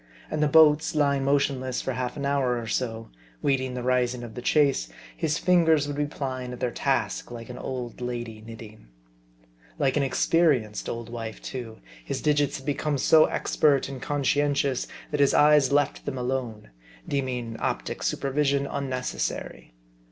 And the boats lying motionless for half an hour or so, waiting the rising of the chase, his fingers would be plying at their task, like an old lady knitting. Like an experienced old wife too, his digits had become so expert and conscientious, that his eyes left them alone ; deeming optic supervision unnecessary.